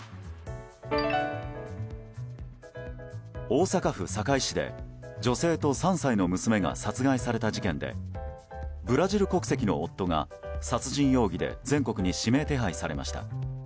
大阪府堺市で女性と３歳の娘が殺害された事件でブラジル国籍の夫が殺人容疑で全国に指名手配されました。